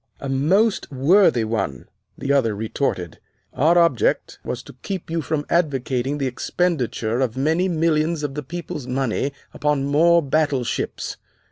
"A most worthy one," the other retorted. "Our object was to keep you from advocating the expenditure of many millions of the people's money upon more battleships.